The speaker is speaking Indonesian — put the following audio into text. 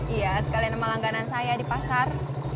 iya sekalian nama langganan saya di pasar